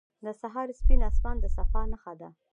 • د سهار سپین آسمان د صفا نښه ده.